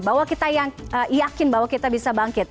bahwa kita yang yakin bahwa kita bisa bangkit